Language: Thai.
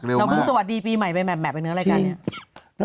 เราเพิ่งสวัสดีปีใหม่มาดเป็นเนื้อรายการนี้